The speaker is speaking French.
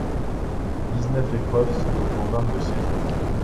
Dix-neuf épreuves sont au programme de ces Jeux.